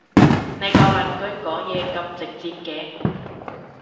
你個鄰居講嘢咁直接嘅？